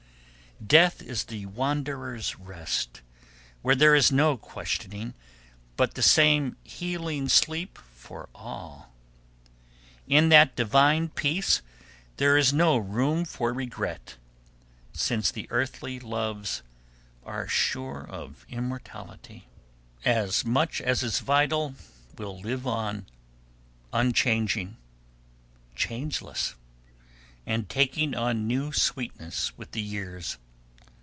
Death is the Wanderer's Rest, where there is no questioning, but the same healing sleep for all. In that divine peace, there is no room for regret, since the earthly loves are sure of immortality. [Sidenote: While the Dream Seemed True] As much as is vital will live on, unchanging, changeless, and taking on new sweetness with the years.